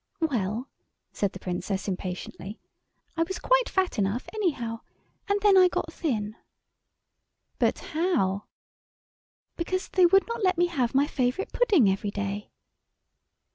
"Well," said the Princess impatiently, "I was quite fat enough anyhow. And then I got thin—" "But how?" "Because they would not let me have my favourite pudding every day."